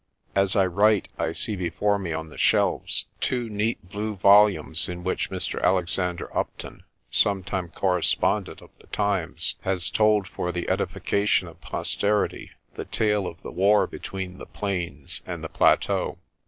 As I write I see before me on the shelves two neat blue volumes in which Mr. Alexander Upton, some time correspondent of the Times y has told for the edifica tion of posterity the tale of the war between the Plains and the Plateau.